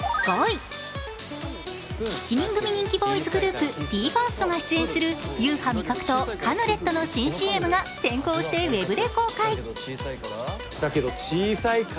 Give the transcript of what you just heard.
７人組人気ボーイズグループＢＥ：ＦＩＲＳＴが出演するＵＨＡ味覚糖カヌレットの新ＣＭが先行してウェブで公開。